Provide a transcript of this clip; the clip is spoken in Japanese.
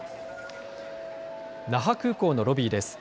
那覇空港のロビーです。